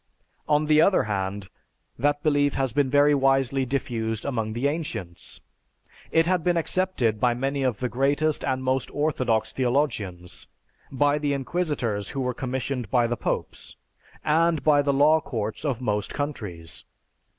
On the other hand, that belief has been very widely diffused among the ancients. It had been accepted by many of the greatest and most orthodox theologians, by the inquisitors who were commissioned by the popes, and by the law courts of most countries.